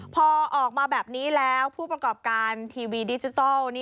พอออกมาแบบนี้แล้วผู้ประกอบการทีวีดิจิทัล